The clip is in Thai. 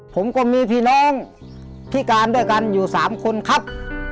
ผมก็มีพี่น้องพิการด้วยกันอยู่๓คนครับ